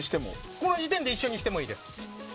この時点で一緒にしてもいいです。